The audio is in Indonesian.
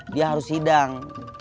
dia harus sidang